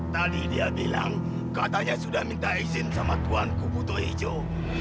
tadi dia bilang katanya sudah minta izin sama tuan kubuto hijau